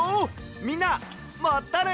みんなまたね！